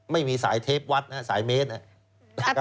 ไม่มีสายเทปวัดนะสายเมตรนะ